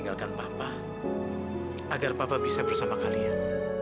kalau papa sudah meninggal dan punya kalian